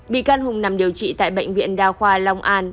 bị can hùng nằm điều trị tại bệnh viện đa khoa long an